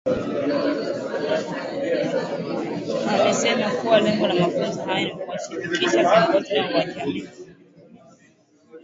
Amesema kuwa lengo la mafunzo hayo ni kuwashirikisha viongozi hao wa jamii